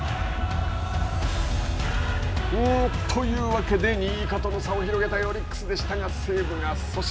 というわけで、２位以下との差を広げたいオリックスでしたが西武が阻止。